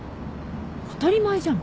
当たり前じゃん。